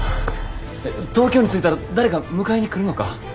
東京に着いたら誰か迎えに来るのか？